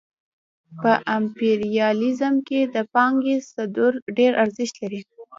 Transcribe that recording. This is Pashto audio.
په امپریالیزم کې د پانګې صدور ډېر ارزښت لري